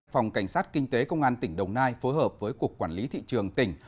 phòng cảnh sát kinh tế công an tỉnh đồng nai phối hợp với cục quản lý thị trường tỉnh